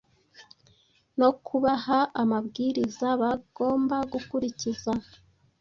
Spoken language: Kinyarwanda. no kubaha amabwiriza bagomba gukurikiza.